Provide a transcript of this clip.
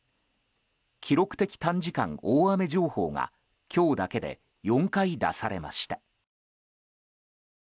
記録的短時間大雨情報が今日だけで４回出されました。